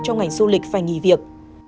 trong ngành du lịch phải nghỉ việc